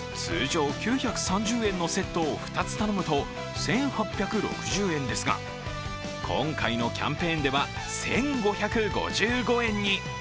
例えば通常９３０円のセットを２つ頼むと、１８６０円ですが、今回のキャンペーンでは１５５５円に。